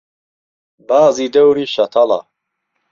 بازی دهوری شهتهڵه